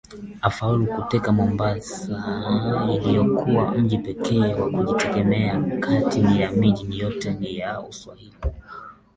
alifaulu kuteka Mombasa iliyokuwa mji pekee wa kujitegemea kati ya miji yote ya Uswahilini